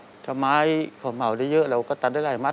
อเรนนี่ต้องมีวัคซีนตัวหนึ่งเพื่อที่จะช่วยดูแลพวกม้ามและก็ระบบในร่างกาย